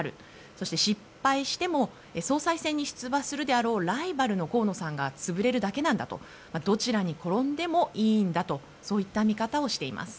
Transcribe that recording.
そして失敗しても総裁選に出馬するであろうライバルの河野さんが潰れるだけなんだとどちらに転んでもいいんだという見方をしています。